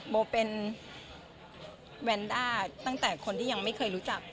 โบเป็นแวนด้าตั้งแต่คนที่ยังไม่เคยรู้จัก